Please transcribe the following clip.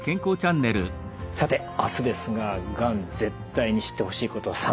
さて明日ですががん絶対に知ってほしいこと３選